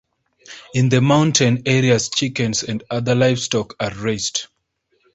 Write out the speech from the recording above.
In the mountain areas, chickens and other livestock are raised.